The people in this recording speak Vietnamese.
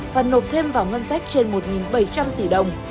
và nộp thêm vào ngân sách trên một bảy trăm linh tỷ đồng